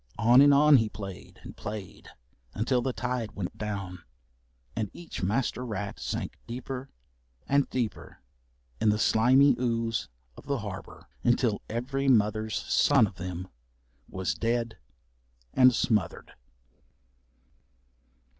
On and on he played and played until the tide went down, and each master rat sank deeper and deeper in the slimy ooze of the harbour, until every mother's son of them was dead and smothered.